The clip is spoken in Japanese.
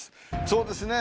そうですね